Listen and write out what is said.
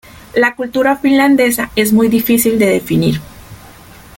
La cultura finlandesa es muy difícil de definir.